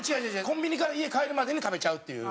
コンビニから家帰るまでに食べちゃうっていう。